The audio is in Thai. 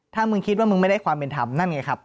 ถ้ามึงคิดว่ามึงไม่ได้ความเป็นธรรมนั่นไงครับ